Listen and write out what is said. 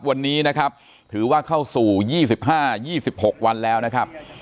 วันนี้นะครับถือว่าเข้าสู่๒๕๒๖วันแล้วนะครับ